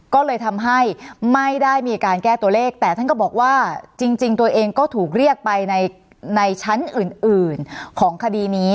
ก็เลยทำให้ไม่ได้มีการแก้ตัวเลขแต่ท่านก็บอกว่าจริงตัวเองก็ถูกเรียกไปในชั้นอื่นของคดีนี้